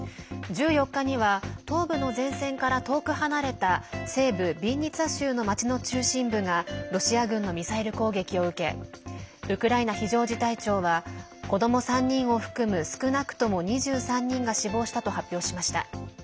１４日には東部の前線から遠く離れた西部ビンニツァ州の町の中心部がロシア軍のミサイル攻撃を受けウクライナ非常事態庁は子ども３人を含む少なくとも２３人が死亡したと発表しました。